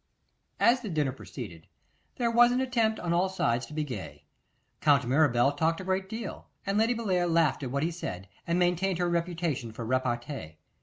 As the dinner proceeded, there was an attempt on all sides to be gay. Count Mirabel talked a great deal, and Lady Bellair laughed at what he said, and maintained her reputation for repartee.